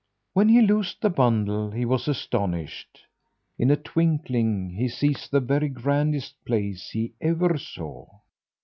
When he loosed the bundle he was astonished. In a twinkling he sees the very grandest place he ever saw.